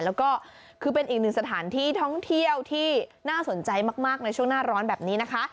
แล้วก็คือเป็นอีกหนึ่งสถานที่ท่องเที่ยวที่น่าสนใจมากในช่วงหน้าร้อนแบบนี้นะคะ